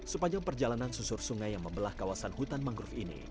sepanjang perjalanan susur sungai yang membelah kawasan hutan mangrove ini